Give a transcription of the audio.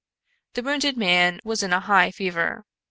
The wounded man was in a high fever.